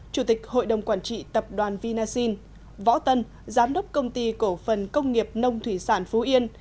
chủ tịch hội đồng quản trị tập đoàn vinasin võ tân giám đốc công ty cổ phần công nghiệp nông thủy sản phú yên